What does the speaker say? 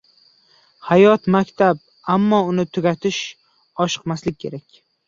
— Hayot – maktab, ammo uni tugatishga oshiqmaslik kerak.